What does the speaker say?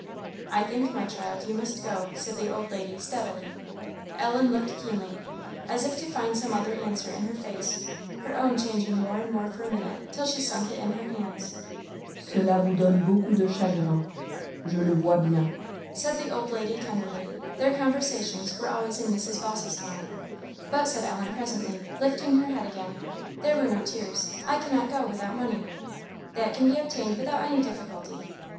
"I think, my child, you must go," said the old lady, steadily. Ellen looked keenly, as if to find some other answer in her face; her own changing more and more for a minute, till she sunk it in her hands. "Cela vous donne beaucoup de chagrin je le vois bien," said the old lady, tenderly. (Their conversations were always in Mrs. Vawse's tongue.) "But," said Ellen, presently, lifting her head again (there were no tears) "I cannot go without money." "That can be obtained without any difficulty."